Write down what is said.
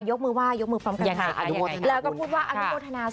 ยกมือว่ายยกมือแปรงกระดูกแล้วก็พูดว่าอัยกราธนา